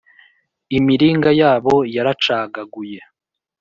Imiringa yabo yaracagaguye